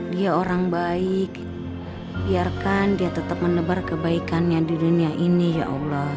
dia orang baik biarkan dia tetap menebar kebaikannya di dunia ini ya allah